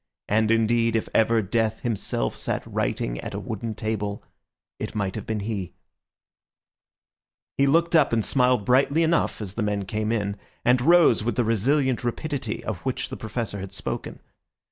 And, indeed, if ever Death himself sat writing at a wooden table, it might have been he. He looked up and smiled brightly enough as the men came in, and rose with the resilient rapidity of which the Professor had spoken.